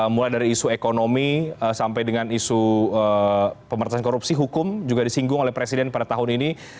mulai dari isu ekonomi sampai dengan isu pemerintahan korupsi hukum juga disinggung oleh presiden pada tahun ini